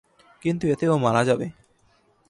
কিন্তু এতে ও মারা যাবে।